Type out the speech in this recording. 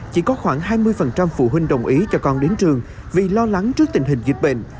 chỉ có khoảng hai mươi phụ huynh đồng ý cho con đến trường vì lo lắng trước tình hình dịch bệnh